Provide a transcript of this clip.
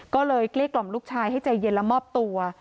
ก็เลยเกลี้ยกล่อมลูกชายให้ใจเย็นและมอบตัว